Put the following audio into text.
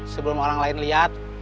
sebelum orang lain liat